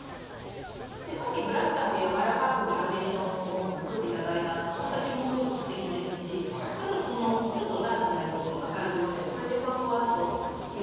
さっきブラキカムでやわらかくグラデーションを作って頂いた形もすごくすてきですしこのちょっとダークな色と明るい色でこれでふわふわっと色もつなぎつつってまたちょっと雰囲気が。